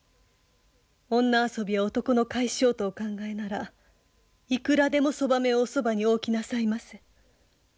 女遊びは男の甲斐性とお考えならいくらでもそばめをおそばにお置きなさいませ。